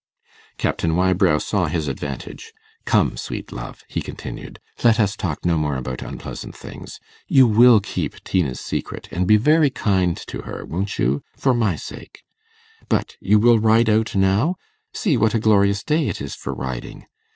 Captain Wybrow saw his advantage. 'Come, sweet love,' he continued, 'let us talk no more about unpleasant things. You will keep Tina's secret, and be very kind to her won't you? for my sake. But you will ride out now? See what a glorious day it is for riding.